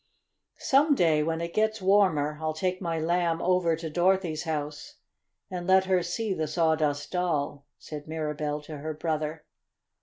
"Some day, when it gets warmer, I'll take my Lamb over to Dorothy's house and let her see the Sawdust Doll," said Mirabell to her brother.